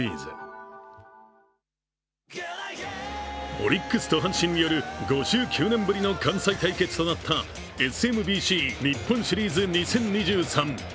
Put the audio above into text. オリックスと阪神による５９年ぶりの関西対決となったＳＭＢＣ日本シリーズ２０２３。